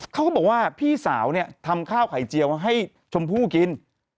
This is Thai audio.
เขาก็บอกว่าพี่สาวเนี่ยทำข้าวไข่เจียวให้ชมพู่กิน